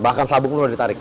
bahkan sabuknya boleh ditarik